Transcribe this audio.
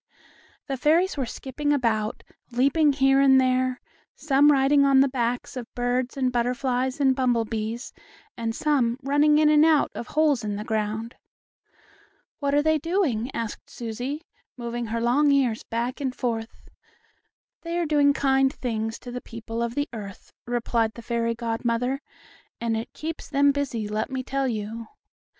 The fairies were skipping about, leaping here and there, some riding on the backs of birds and butterflies and bumblebees, and some running in and out of holes in the ground. "What are they doing?" asked Susie, moving her long ears back and forth. "They are doing kind things to the people of the earth," replied the fairy godmother, "and it keeps them busy, let me tell you."